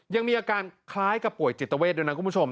ยังมีอาการคล้ายกับป่วยจิตเวทด้วยนะคุณผู้ชม